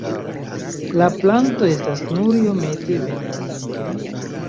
La planto estas nur iomete venena.